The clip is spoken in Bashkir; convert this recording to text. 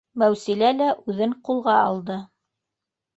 Мәүсилә лә үҙен ҡулға алды: